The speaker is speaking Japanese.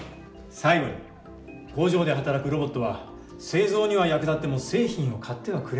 最後に工場で働くロボットは製造には役立っても製品を買ってはくれない。